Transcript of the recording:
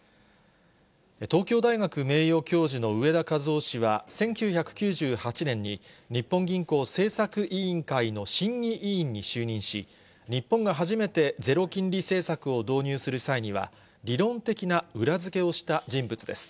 東京大学名誉教授の植田和男氏は、１９９８年に、日本銀行政策委員会の審議委員に就任し、日本が初めてゼロ金利政策を導入する際には、理論的な裏付けをした人物です。